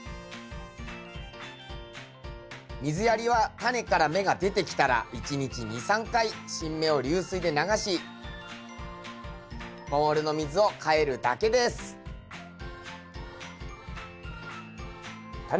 水やりはタネから芽が出てきたら１日２３回新芽を流水で流しボウルの水を替えるだけです。